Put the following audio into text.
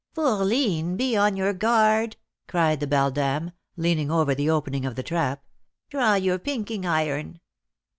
"Fourline, be on your guard," cried the beldam, leaning over the opening of the trap; "draw your 'pinking iron.'"